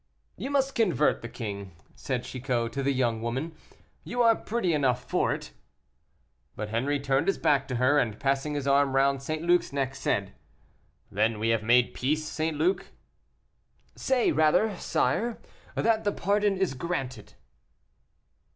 "You must convert the king," said Chicot to the young woman, "you are pretty enough for it." But Henri turned his back to her, and passing his arm round St. Luc's neck, said, "Then we have made peace, St. Luc?" "Say rather, sire, that the pardon is granted."